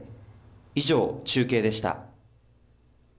以上、中継でした。